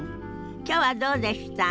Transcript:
きょうはどうでした？